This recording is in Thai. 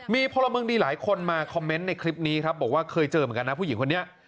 มีพลเมืองดีหลายคนมาคอมเมนต์ในคลิปนี้ครับบอกว่าเคยเจอเหมือนกันนะผู้หญิงคนนี้